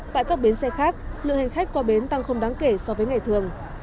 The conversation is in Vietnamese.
tại các bến xe khác lượng hành khách qua bến tăng không đáng kể so với ngày thường